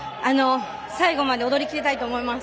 最後まで踊りきりたいと思います。